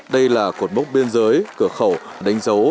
đây là cột mốc biên giới cửa khẩu đánh dấu